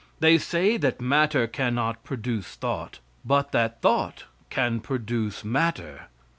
They say that matter cannot produce thought; but that thought can produce matter.